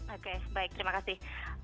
oke baik terima kasih